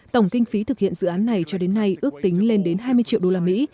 tổng kinh phí thực hiện dự án này cho đến nay ước tính lên đến hai mươi triệu đô la mỹ